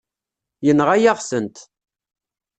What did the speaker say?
Yenɣa-yaɣ-tent.